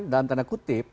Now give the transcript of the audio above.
dalam tanda kutip